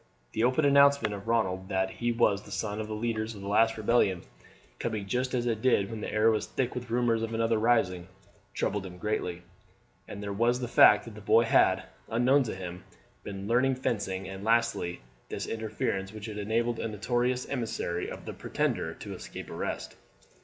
The open announcement of Ronald that he was the son of one of the leaders in the last rebellion, coming just as it did when the air was thick with rumours of another rising, troubled him greatly; and there was the fact that the boy had, unknown to him, been learning fencing; and lastly this interference, which had enabled a notorious emissary of the Pretender to escape arrest.